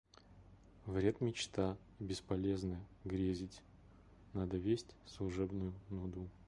Вред – мечта, и бесполезно грезить, надо весть служебную нуду.